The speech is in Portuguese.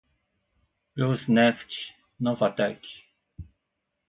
Rosneft, Novatek